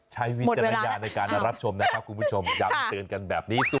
ใช้วิจารยาในการรับชมนะครับคุณผู้ชมยังเตือนกันแบบนี้สุด